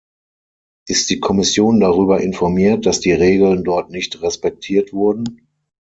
Ist die Kommission darüber informiert, dass die Regeln dort nicht respektiert wurden?